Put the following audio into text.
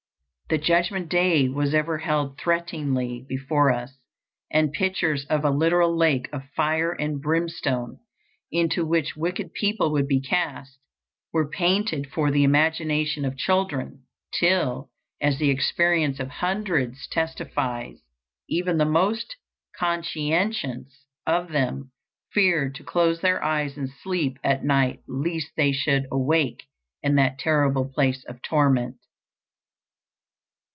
the judgment day was ever held threateningly before us; and pictures of a literal lake of fire and brimstone, into which wicked people would be cast, were painted for the imagination of children, till, as the experience of hundreds testifies, even the most conscientious of them feared to close their eyes in sleep at night lest they should awake in that terrible place of torment.